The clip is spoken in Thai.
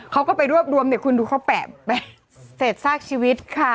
เขาก็ไปรวบรวมเนี่ยคุณดูเขาแปะไปเศษซากชีวิตค่ะ